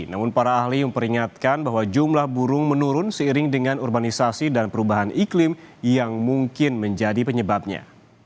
namun para ahli memperingatkan bahwa jumlah burung menurun seiring dengan urbanisasi dan perubahan iklim yang mungkin menjadi penyebabnya